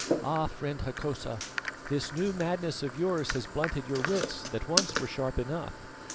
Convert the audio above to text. "Ah! friend Hokosa, this new madness of yours has blunted your wits that once were sharp enough.